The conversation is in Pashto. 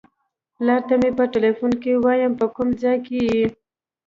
پلار ته مې په ټیلیفون کې وایم په کوم ځای کې یې.